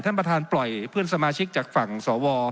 ท่านประธานปล่อยเพื่อนสมาชิกจากฝั่งสว